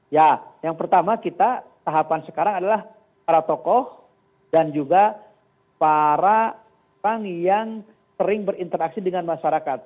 ya yang pertama kita tahapan sekarang adalah para tokoh dan juga para orang yang sering berinteraksi dengan masyarakat